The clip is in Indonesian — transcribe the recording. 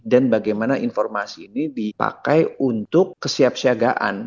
dan bagaimana informasi ini dipakai untuk kesiapsiagaan